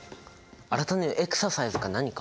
新手のエクササイズか何か？